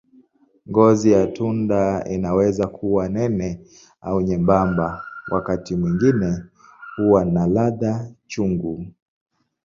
Ngozi ya tunda inaweza kuwa nene au nyembamba, wakati mwingine huwa na ladha chungu.